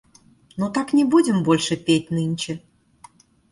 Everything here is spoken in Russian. Ну, так не будем больше петь нынче?